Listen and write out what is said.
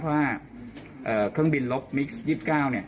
เพราะว่าเครื่องบินลบมิกซ์๒๙